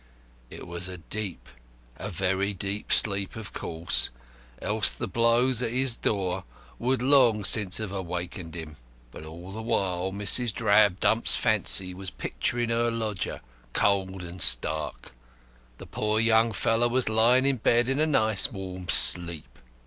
It was a deep, a very deep sleep, of course, else the blows at his door would long since have awakened him. But all the while Mrs. Drabdump's fancy was picturing her lodger cold and stark, the poor young fellow was lying in bed in a nice warm sleep."